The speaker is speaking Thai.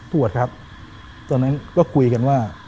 ปวดครับตอนนั้นก็คุยกันว่า